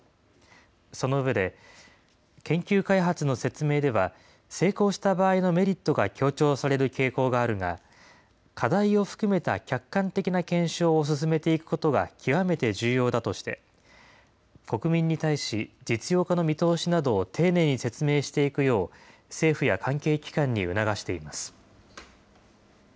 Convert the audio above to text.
その上で、研究開発の説明では、成功した場合のメリットが強調される傾向があるが、課題を含めた客観的な検証を進めていくことが極めて重要だとして、国民に対し、実用化の見通しなどを丁寧に説明していくよう、政府や関係機関に促しています。